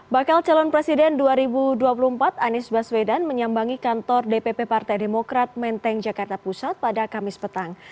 bakal calon presiden dua ribu dua puluh empat anies baswedan menyambangi kantor dpp partai demokrat menteng jakarta pusat pada kamis petang